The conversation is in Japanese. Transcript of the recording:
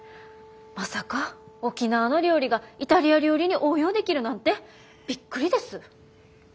まさか沖縄の料理がイタリア料理に応用できるなんてびっくりです。